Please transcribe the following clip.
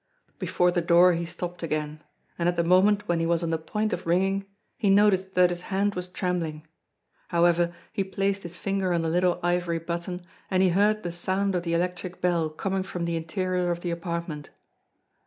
Before the door he stopped again, and at the moment when he was on the point of ringing, he noticed that his hand was trembling. However, he placed his finger on the little ivory button, and he heard the sound of the electric bell coming from the interior of the apartment.